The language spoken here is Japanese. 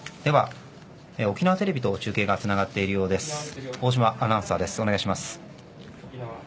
では、沖縄テレビと中継がつながっているようです。